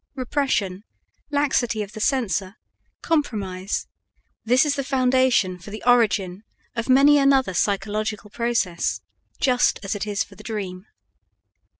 Repression, laxity of the censor, compromise this is the foundation for the origin of many another psychological process, just as it is for the dream.